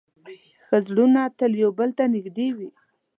ښه زړونه تل یو بل ته نږدې وي.